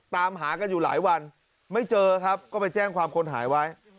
ตามหากันอยู่หลายวันไม่เจอครับก็ไปแจ้งความคนหายไว้